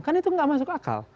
kan itu nggak masuk akal